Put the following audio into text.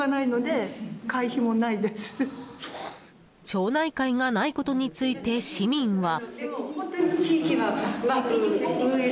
町内会がないことについて市民は。